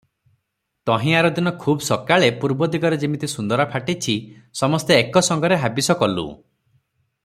ତହିଁ ଆରଦିନ ଖୁବ୍ ସକାଳେ ପୂର୍ବଦିଗରେ ଯିମିତି ସୁନ୍ଦରାଫାଟିଛି, ସମସ୍ତେ ଏକ ସଙ୍ଗରେ ହାବିସ କଲୁଁ ।